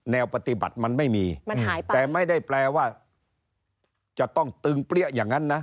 แนวปฏิบัติมันไม่มีแต่ไม่ได้แปลว่าจะต้องตึ้งเปรี้ยกอย่างนั้นนะ